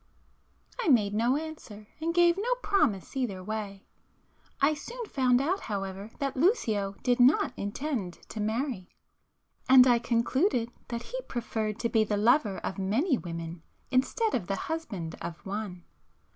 I made no answer and gave no promise either way. I soon found out however that Lucio did not intend to marry,—and I concluded that he preferred to be the lover of many women, instead of the husband of one.